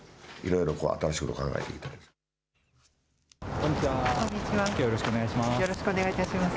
こんにちは、よろしくお願いいたします。